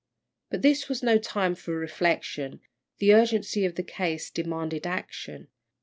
But this was no time for reflection, the urgency of the case demanded action.